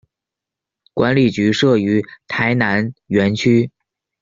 管理局设于台南园区。